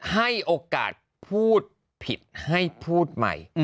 ให้โอกาสพูดผิดให้พูดใหม่